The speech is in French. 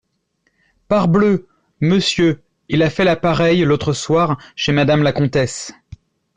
Parbleu ! monsieur, il a fait la pareille, l’autre soir, chez madame la comtesse.